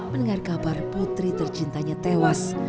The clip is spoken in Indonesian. mendengar kabar putri tercintanya tewas